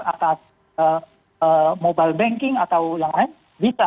atas mobile banking atau yang lain bisa